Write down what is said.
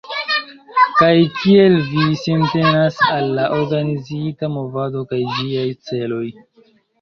Kaj kiel vi sintenas al la organizita movado kaj ĝiaj celoj?